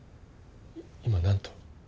今何と？